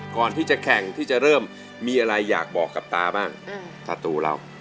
ก่อนที่จะแข่งที่จะเริ่มมีอะไรอยากบอกกับตาบ้างถ้าตูเรา